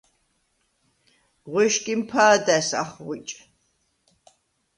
ღუ̂ეშგიმ ფა̄და̈ს ახღუ̂იჭ.